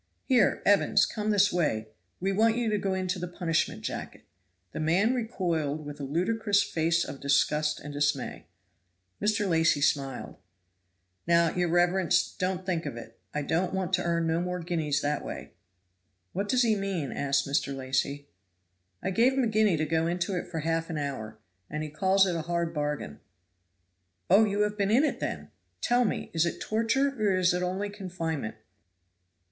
Here, Evans, come this way. We want you to go into the punishment jacket." The man recoiled with a ludicrous face of disgust and dismay. Mr. Lacy smiled. "Now, your reverence, don't think of it. I don't want to earn no more guineas that way." "What does he mean?" asked Mr. Lacy. "I gave him a guinea to go into it for half an hour, and he calls it a hard bargain." "Oh, you have been in it, then? Tell me, is it torture or is it only confinement?"